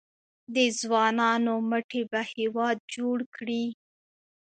د ځوانانو مټې به هیواد جوړ کړي؟